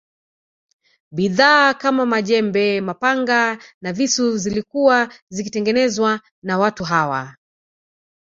Bidhaa kama majembe mapanga na visu zilikuwa zikitengenezwa na watu hawa